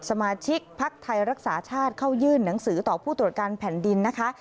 สมาชิกภักดิ์ไทยรักษาชาติเข้ายื่นหนังสือต่อผู้ตรวจการแผ่นดินนะคะ